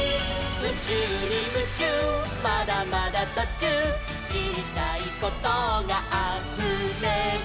「うちゅうにムチューまだまだとちゅう」「しりたいことがあふれる」